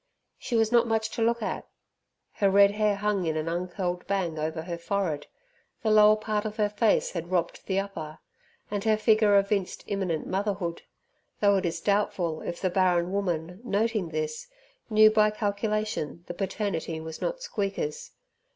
She was not much to look at. Her red hair hung in an uncurled bang over her forehead, the lower part of her face had robbed the upper, and her figure evinced imminent motherhood, though it is doubtful if the barren woman, noting this, knew by calculation the paternity was not Squeaker's.